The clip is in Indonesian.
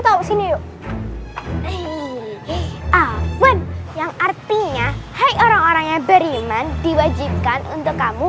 kesini yuk hehehe awan yang artinya hai orang orangnya beriman diwajibkan untuk kamu